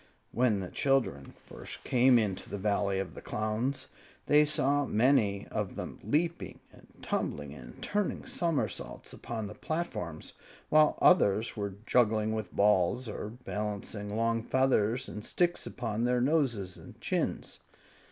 When the children first came into the Valley of the Clowns, they saw many of them leaping and tumbling and turning somersaults upon the platforms, while others were juggling with balls, or balancing long feathers and sticks upon their noses and chins.